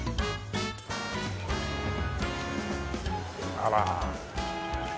あら。